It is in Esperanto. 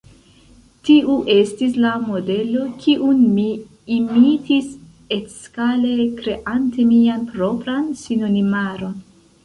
Tiu estis la modelo, kiun mi imitis etskale kreante mian propran sinonimaron.